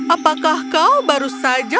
apakah kau baru saja